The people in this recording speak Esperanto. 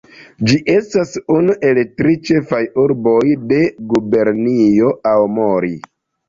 Ĝi estas unu el tri ĉefaj urboj de Gubernio Aomori.